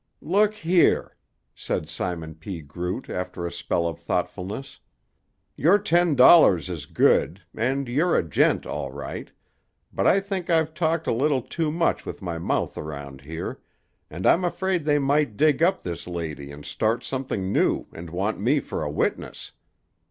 "Look here!" said Simon P. Groot after a spell of thoughtfulness. "Your ten dollars is good, and you're a gent, all right; but I think I've talked a little too much with my mouth around here, and I'm afraid they might dig up this lady and start something new and want me for a witness.